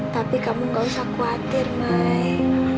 tapi kamu tidak perlu khawatir mai